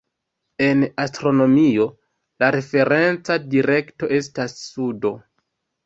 En astronomio, la referenca direkto estas sudo.